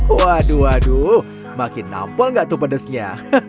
waduh waduh makin nampol nggak tuh pedesnya